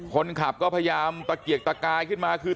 คนขับก็พยายามตะเกียกตะกายขึ้นมาคือ